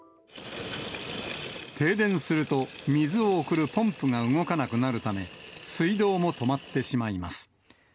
停電すると、水を送るポンプが動かなくなるため、水道も止まってしまいます。